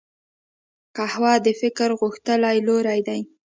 قهوه د فکر غښتلي لوری دی